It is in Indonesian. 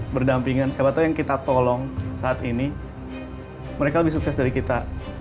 berdampingan siapa tahu yang kita tolong saat ini mereka lebih sukses dari kita